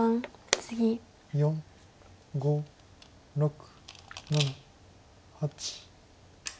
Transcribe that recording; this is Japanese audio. ４５６７８。